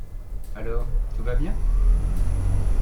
Alors... tout va bien?...